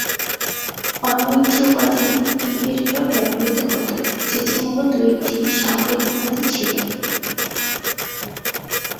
অন্য একটি উপাধি "ইমপিরেটর"ব্যবহৃত হত, যেটি মূলত একটি সামরিক উপাধি ছিল।